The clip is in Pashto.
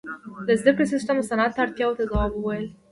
• د زدهکړې سیستم د صنعت اړتیاو ته ځواب وویل.